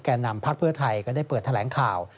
นำพักเพื่อไทยก็ได้เปิดแถลงข่าว